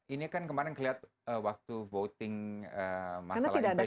ini kan kemarin kelihatan waktu voting masalah investasi